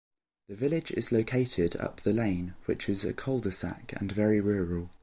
The village is located up the lane which is a cul-de-sac, and very rural.